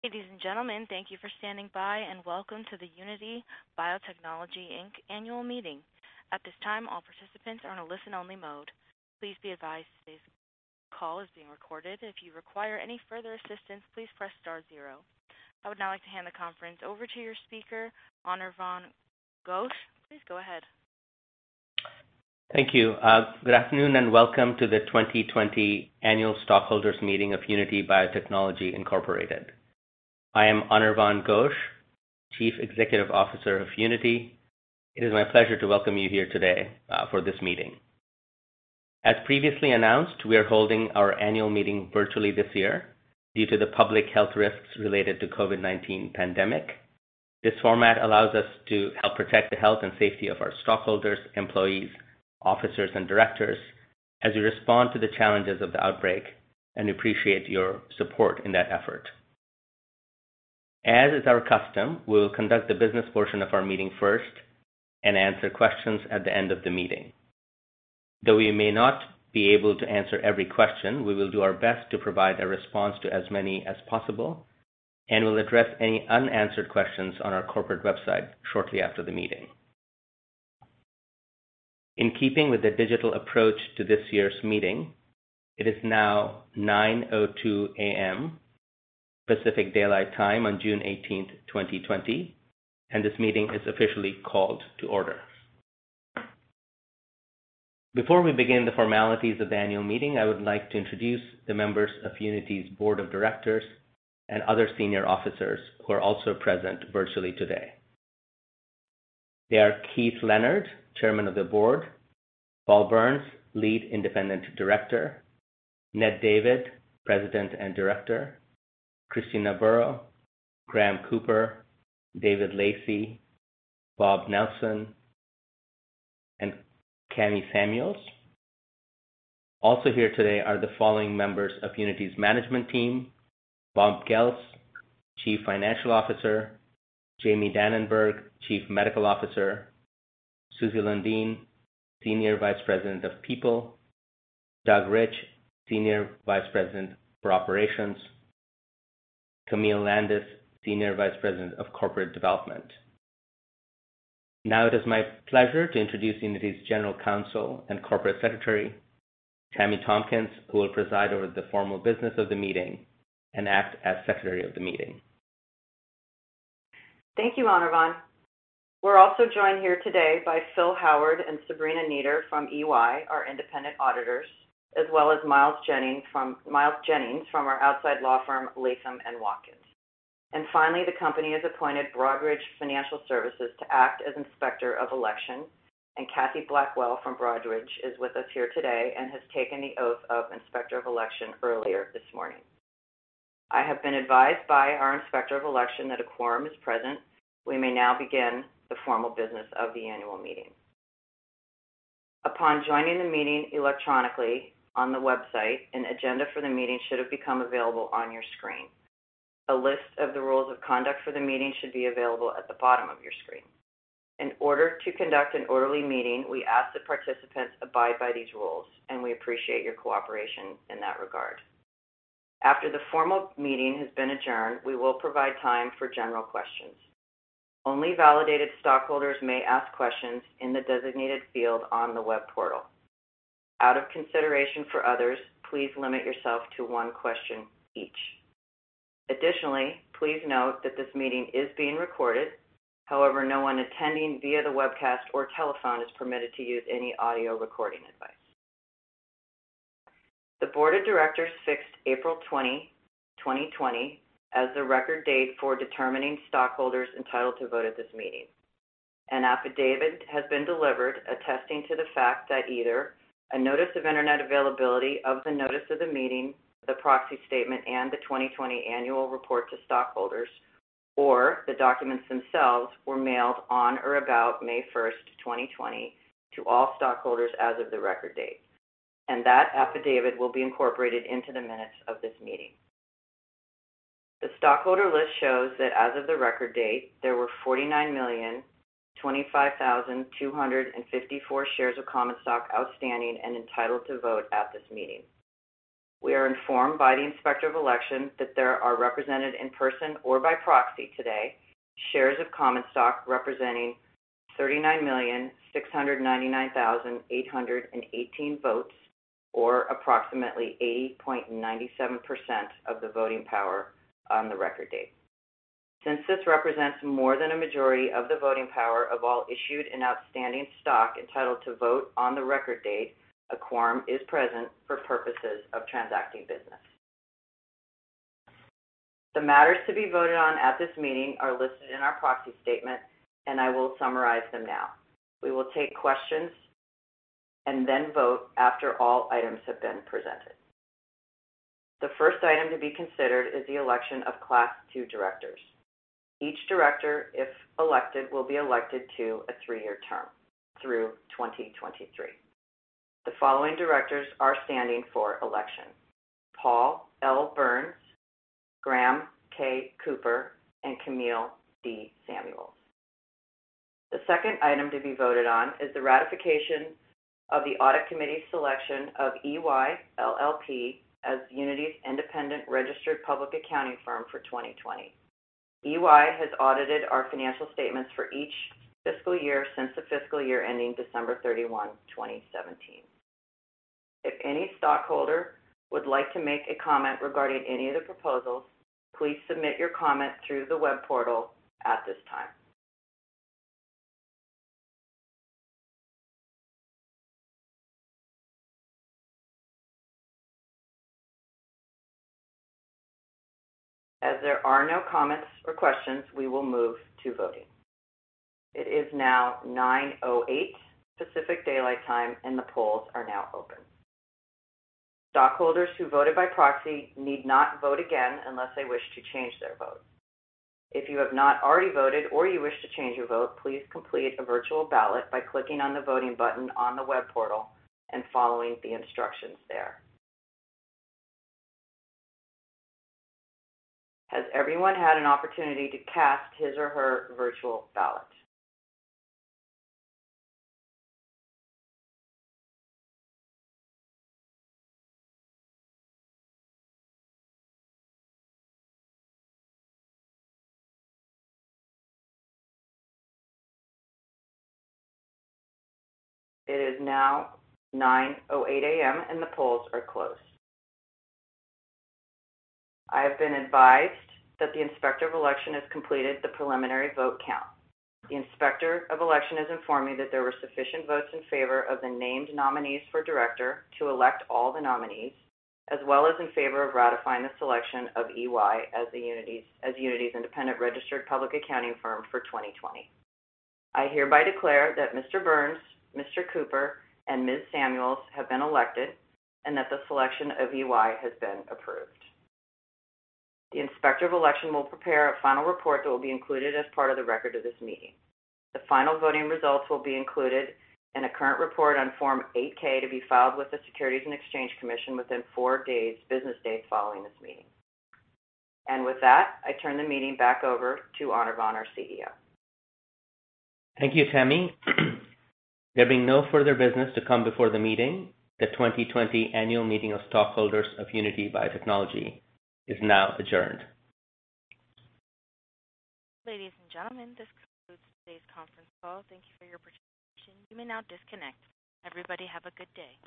Ladies and gentlemen, thank you for standing by, and welcome to the Unity Biotechnology, Inc. annual meeting. At this time, all participants are on a listen-only mode. Please be advised today's call is being recorded. If you require any further assistance, please press star zero. I would now like to hand the conference over to your speaker, Anirvan Ghosh. Please go ahead. Thank you. Good afternoon, and welcome to the 2020 annual stockholders meeting of Unity Biotechnology Incorporated. I am Anirvan Ghosh, Chief Executive Officer of Unity. It is my pleasure to welcome you here today for this meeting. As previously announced, we are holding our annual meeting virtually this year due to the public health risks related to COVID-19 pandemic. This format allows us to help protect the health and safety of our stockholders, employees, officers, and directors as we respond to the challenges of the outbreak, and we appreciate your support in that effort. As is our custom, we will conduct the business portion of our meeting first and answer questions at the end of the meeting. Though we may not be able to answer every question, we will do our best to provide a response to as many as possible and will address any unanswered questions on our corporate website shortly after the meeting. In keeping with the digital approach to this year's meeting, it is now 9:02 A.M. Pacific Daylight Time on June 18th, 2020, and this meeting is officially called to order. Before we begin the formalities of the annual meeting, I would like to introduce the members of Unity's Board of Directors and other senior officers who are also present virtually today. They are Keith Leonard, Chairman of the Board, Paul Berns, Lead Independent Director, Ned David, President and Director, Kristina Burow, Graham Cooper, David Lacey, Bob Nelsen, and Camille Samuels. Also here today are the following members of Unity's management team: Bob Goeltz, Chief Financial Officer, Jamie Dananberg, Chief Medical Officer, Suzy Lundeen, Senior Vice President of People, Doug Rich, Senior Vice President for Operations, Camille Landis, Senior Vice President of Corporate Development. Now it is my pleasure to introduce Unity's General Counsel and Corporate Secretary, Tammy Tompkins, who will preside over the formal business of the meeting and act as secretary of the meeting. Thank you, Anirvan. We're also joined here today by Phil Howard and Sabrina Nieder from EY, our independent auditors, as well as Miles Jennings from our outside law firm, Latham & Watkins. Finally, the company has appointed Broadridge Financial Solutions to act as inspector of election, and Kathy Blackwell from Broadridge is with us here today and has taken the oath of inspector of election earlier this morning. I have been advised by our inspector of election that a quorum is present. We may now begin the formal business of the annual meeting. Upon joining the meeting electronically on the website, an agenda for the meeting should have become available on your screen. A list of the rules of conduct for the meeting should be available at the bottom of your screen. In order to conduct an orderly meeting, we ask that participants abide by these rules, and we appreciate your cooperation in that regard. After the formal meeting has been adjourned, we will provide time for general questions. Only validated stockholders may ask questions in the designated field on the web portal. Out of consideration for others, please limit yourself to one question each. Additionally, please note that this meeting is being recorded. However, no one attending via the webcast or telephone is permitted to use any audio recording device. The board of directors fixed April 20, 2020, as the record date for determining stockholders entitled to vote at this meeting. An affidavit has been delivered attesting to the fact that either a notice of Internet availability of the notice of the meeting, the proxy statement, and the 2020 annual report to stockholders, or the documents themselves were mailed on or about May 1st, 2020, to all stockholders as of the record date, and that affidavit will be incorporated into the minutes of this meeting. The stockholder list shows that as of the record date, there were 49,025,254 shares of common stock outstanding and entitled to vote at this meeting. We are informed by the inspector of election that there are represented in person or by proxy today shares of common stock representing 39,699,818 votes, or approximately 80.97% of the voting power on the record date. Since this represents more than a majority of the voting power of all issued and outstanding stock entitled to vote on the record date, a quorum is present for purposes of transacting business. The matters to be voted on at this meeting are listed in our proxy statement, and I will summarize them now. We will take questions and then vote after all items have been presented. The first item to be considered is the election of Class II directors. Each director, if elected, will be elected to a three-year term through 2023. The following directors are standing for election: Paul L. Berns, Graham K. Cooper, and Camille D. Samuels. The second item to be voted on is the ratification of the audit committee's selection of EY LLP as Unity's independent registered public accounting firm for 2020. EY has audited our financial statements for each fiscal year since the fiscal year ending December 31, 2017. If any stockholder would like to make a comment regarding any of the proposals, please submit your comment through the web portal at this time. As there are no comments or questions, we will move to voting. It is now 9:08 Pacific Daylight Time, and the polls are now open. Stockholders who voted by proxy need not vote again unless they wish to change their vote. If you have not already voted or you wish to change your vote, please complete the virtual ballot by clicking on the voting button on the web portal and following the instructions there. Has everyone had an opportunity to cast his or her virtual ballot? It is now 9:08 A.M. and the polls are closed. I have been advised that the Inspector of Election has completed the preliminary vote count. The Inspector of Election has informed me that there were sufficient votes in favor of the named nominees for director to elect all the nominees, as well as in favor of ratifying the selection of EY as Unity's independent registered public accounting firm for 2020. I hereby declare that Mr. Berns, Mr. Cooper, and Ms. Samuels have been elected and that the selection of EY has been approved. The Inspector of Election will prepare a final report that will be included as part of the record of this meeting. The final voting results will be included in a current report on Form 8-K to be filed with the Securities and Exchange Commission within four business days following this meeting. With that, I turn the meeting back over to Anirvan, our CEO. Thank you, Tammy. There being no further business to come before the meeting, the 2020 annual meeting of stockholders of Unity Biotechnology is now adjourned. Ladies and gentlemen, this concludes today's conference call. Thank you for your participation. You may now disconnect. Everybody have a good day.